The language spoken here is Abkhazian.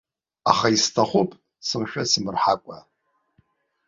Аха исҭахуп, сымшәасмырҳакәа.